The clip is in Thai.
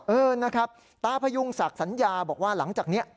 เออนะครับตาพยุงศักดิ์สัญญาบอกว่าหลังจากนี้